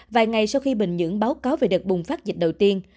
vài ngày sau khi bình nhưỡng báo cáo về đợt bùng phát dịch đầu tiên